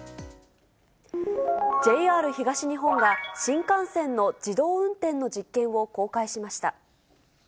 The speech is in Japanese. ＪＲ東日本が、新幹線の自動運転の実験を公開しました。